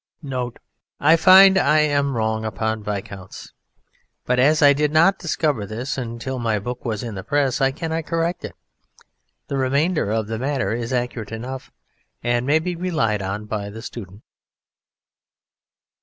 NOTE. _I find I am wrong upon Viscounts, but as I did not discover this until my book was in the press I cannot correct it. The remainder of the matter is accurate enough, and may be relied on by the student.